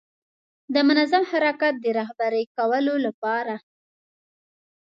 د منظم حرکت د رهبري کولو لپاره.